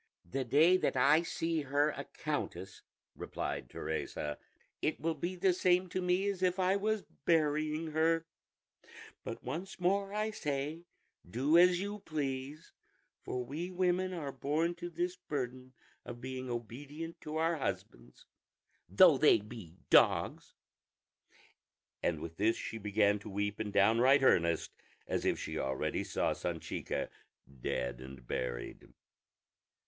"The day that I see her a countess," replied Teresa, "it will be the same to me as if I was burying her; but once more I say do as you please, for we women are born to this burden of being obedient to our husbands, though they be dogs;" and with this she began to weep in downright earnest, as if she already saw Sanchica dead and buried.